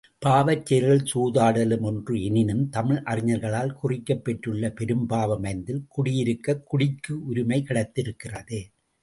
பாவச் செயல்களில் சூதாடுதலும் ஒன்று எனினும் தமிழறிஞர்களால் குறிக்கப் பெற்றுள்ள பெரும்பாவம் ஐந்தில் குடியிருக்கக் குடிக்கு உரிமை கிடைத்திருக்கிறது.